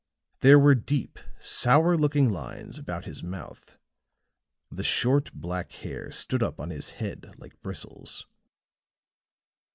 There were deep, sour looking lines about his mouth; the short black hair stood up on his head like bristles.